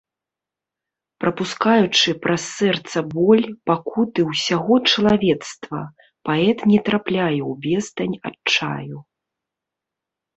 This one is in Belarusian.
Прапускаючы праз сэрца боль, пакуты ўсяго чалавецтва, паэт не трапляе ў бездань адчаю.